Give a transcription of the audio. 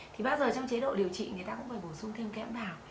thì bao giờ trong chế độ điều trị người ta cũng phải bổ sung thêm kẽm vào